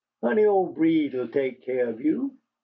Honey, ol' Breed 'll tek care ob you.